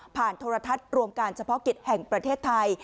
โทรทัศน์รวมการเฉพาะกิจแห่งประเทศไทย